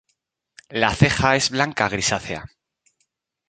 La ceja es blanca grisácea.